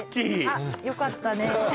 あっよかったね